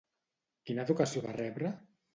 Quina educació va rebre?